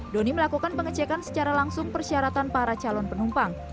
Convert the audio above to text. doni melakukan pengecekan secara langsung persyaratan para calon penumpang